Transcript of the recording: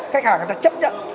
khách hàng người ta chấp nhận